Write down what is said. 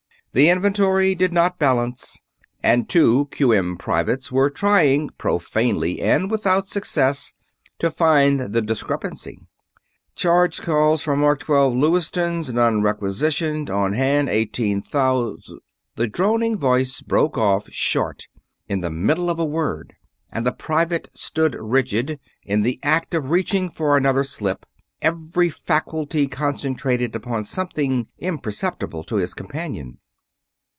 The inventory did not balance, and two Q.M. privates were trying, profanely and without success, to find the discrepancy. "Charged calls for Mark Twelve Lewistons, none requisitioned, on hand eighteen thous...." The droning voice broke off short in the middle of a word and the private stood rigid, in the act of reaching for another slip, every faculty concentrated upon something imperceptible to his companion.